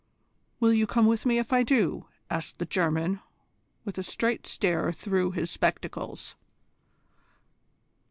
"Will you come with me if I do?" asked the German, with a straight stare through his spectacles.